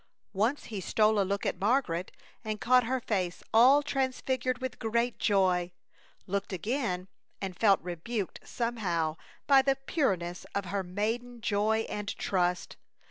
Once he stole a look at Margaret and caught her face all transfigured with great joy; looked again and felt rebuked somehow by the pureness of her maiden joy and trust.